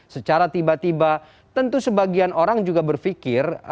secara tiba tiba tentu sebagian orang juga berpikir